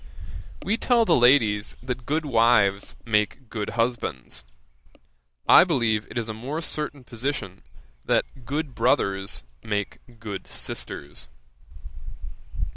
We tell the ladies that good wives make good husbands; I believe it is a more certain position that good brothers make good sisters.